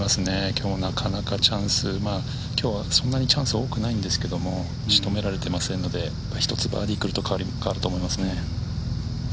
今日なかなか、そんなにチャンス多くないんですけどもしとめられていませんので１つバーディーが来ると変わると思いますね。